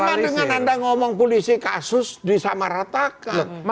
sama dengan anda ngomong polisi kasus disamaratakan